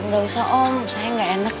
gak usah om saya nggak enak